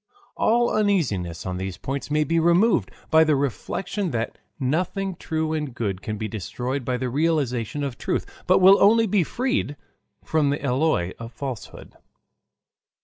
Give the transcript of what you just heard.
All Uneasiness on these Points may be Removed by the Reflection that Nothing True and Good can be Destroyed by the Realization of Truth, but will only be Freed from the Alloy of Falsehood.